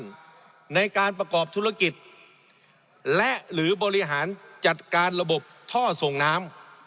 มีอาชีพและประสบการณ์ในการประกอบธุรกิจและหรือบริหารจัดการระบบท่อส่งน้ำ